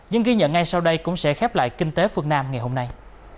những ghi nhận ngay sau đây cũng sẽ khép lại kinh tế phương nam ngày hôm nay